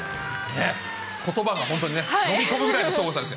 ことばが本当に、飲み込むぐらいのすごさです。